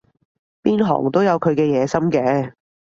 邊行都有佢嘅野心嘅